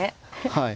はい。